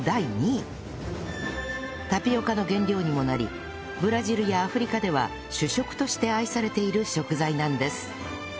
タピオカの原料にもなりブラジルやアフリカでは主食として愛されている食材なんです